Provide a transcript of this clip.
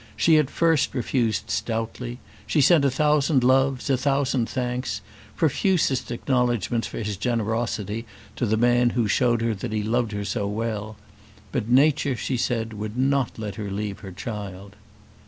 She at first refused stoutly: she sent a thousand loves, a thousand thanks, profusest acknowledgements for his generosity to the man who showed her that he loved her so well; but Nature, she said, would not let her leave her child.